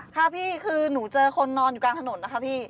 ค่ะพี่คือหนูเจอคนนอนอยู่กลางถนนนะคะพี่